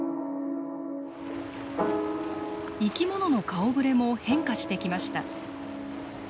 生きものの顔ぶれも変化してきました。